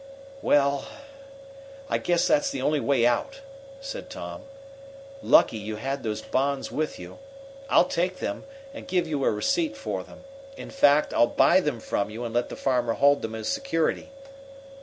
"Well, I guess that's the only way out," said Tom. "Lucky you had those bonds with you. I'll take them, and give you a receipt for them. In fact, I'll buy them from you and let the farmer hold them as security."